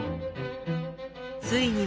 ついには